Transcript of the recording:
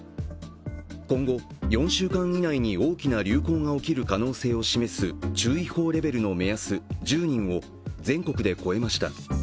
今後、４週間以内に大きな流行が起きる可能性を示す注意報レベルの目安、１０人を全国で超えました。